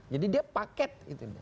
jadi dia paket itu